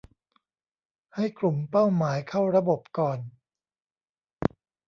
ให้กลุ่มเป้าหมายเข้าระบบก่อน